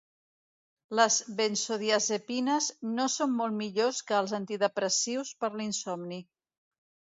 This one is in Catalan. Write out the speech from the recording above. Las benzodiazepines no són molt millors que els antidepressius per l'insomni.